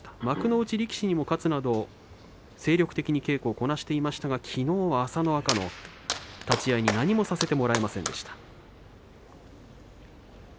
幕内力士にも勝つなど精力的に稽古をこなしていましたがきのうは朝乃若の立ち合いに何もさせてもらえませんでした。